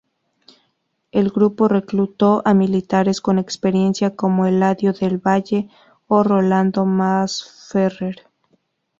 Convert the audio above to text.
El grupo reclutó a militares con experiencia como Eladio del Valle o Rolando Masferrer.